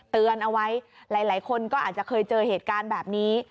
เตือนเอาไว้หลายคนก็อาจจะเคยเจอเหตุการณ์แบบนี้